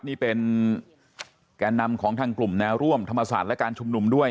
นี่เป็นแก่นำของทางกลุ่มแนวร่วมธรรมศาสตร์และการชุมนุมด้วย